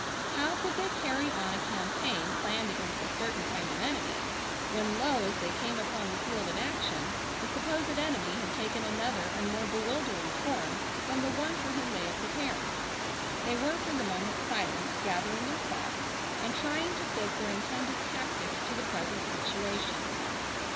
How could they carry on a campaign planned against a certain kind of enemy, when lo, as they came upon the field of action the supposed enemy had taken another and more bewildering form than the one for whom they had prepared. They were for the moment silent, gathering their thoughts, and trying to fit their intended tactics to the present situation.